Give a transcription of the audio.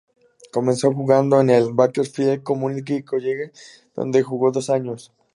Comenzó jugando en el Bakersfield Community College, donde jugó dos años.